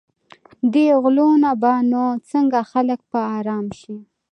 دې غلو نه به نو څنګه خلک په آرام شي.